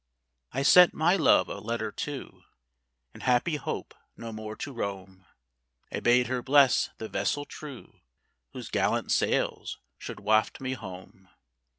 I sent my love a letter too, In happy hope no more to roam; I bade her bless the vessel true Whose gallant sails should waft me home.